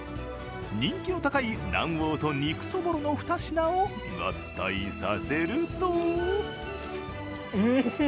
人気の高い卵黄と肉そぼろの２品を合体させるとうん！